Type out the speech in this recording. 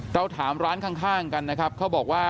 เราถามร้านข้างกันนะครับ